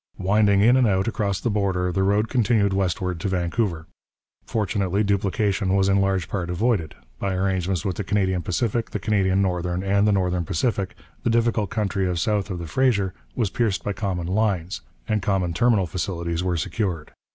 Winding in and out across the border the road continued westward to Vancouver. Fortunately duplication was in large part avoided; by arrangements with the Canadian Pacific, the Canadian Northern, and the Northern Pacific, the difficult country south of the Fraser was pierced by common lines, and common terminal facilities were secured.